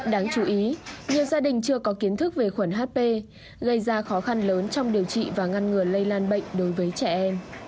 đáng chú ý nhiều gia đình chưa có kiến thức về khuẩn hp gây ra khó khăn lớn trong điều trị và ngăn ngừa lây lan bệnh đối với trẻ em